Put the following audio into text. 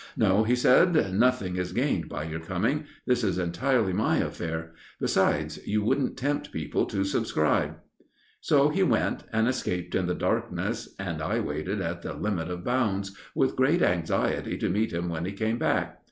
"No," he said, "nothing is gained by your coming. This is entirely my affair. Besides, you wouldn't tempt people to subscribe." So he went, and escaped in the darkness, and I waited at the limit of "bounds" with great anxiety to meet him when he came back.